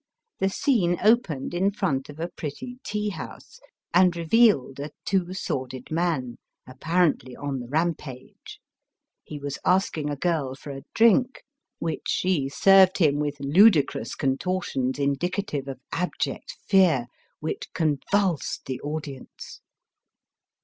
The scene opened in front of a pretty tea house, and revealed a Two Sworded Man, apparently on the rampage. He was asking a girl for a drink, which she served him with ludicrous Digitized by VjOOQIC A JAPANESE THEATEE. 297 contortions indicative of abject fear, which convulsed the audience.